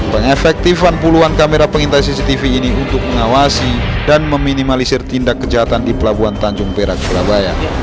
pengefektifan puluhan kamera pengintai cctv ini untuk mengawasi dan meminimalisir tindak kejahatan di pelabuhan tanjung perak surabaya